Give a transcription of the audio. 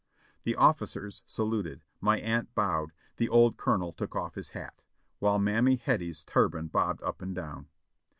The officers saluted, my aunt bowed, the old Colonel took off his hat, while Mammy Hettie's turban bobbed up and down.